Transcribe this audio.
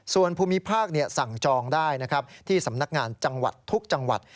ส่วนภูมิภาคสั่งจองได้นะครับที่สำนักงานจังหวัดทุกจังหวัด